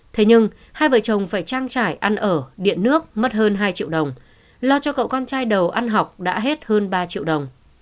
thế nhưng hai vợ chồng phải trang trải ăn ở điện nước mất hơn hai triệu đồng lo cho cậu con trai đầu ăn học đã hết hơn ba triệu đồng